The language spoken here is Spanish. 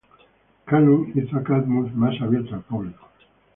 Cannon hizo a Cadmus más abierto al público.